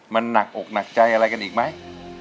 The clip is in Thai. มันหนักอกหนักใจอะไรกันอีกไหม